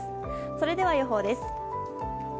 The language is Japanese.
それでは予報です。